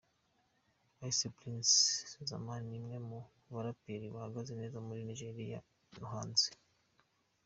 Ice Prince Zamani ni umwe mu baraperi bahagaze neza muri Nigeria no hanze.